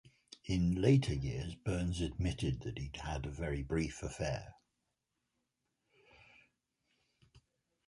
In later years, Burns admitted that he had a very brief affair.